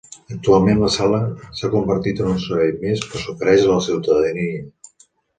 Actualment la Sala s'ha convertit en un servei més que s'ofereix a la ciutadania.